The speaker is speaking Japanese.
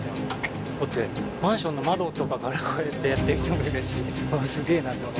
だって、マンションの窓とかから、こうやってやってる人もいるし、すごい。